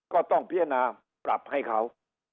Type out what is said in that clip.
ก็ต้องพิจารณาปรับให้เขา